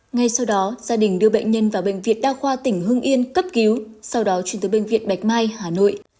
ngay sau đó gia đình đưa bệnh nhân vào bệnh viện đa khoa tỉnh hưng yên cấp cứu sau đó chuyển tới bệnh viện bạch mai hà nội